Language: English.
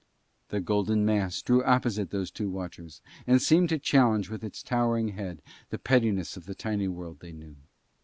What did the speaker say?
The golden mass drew opposite those two watchers and seemed to challenge with its towering head the pettiness of the tiny world they knew.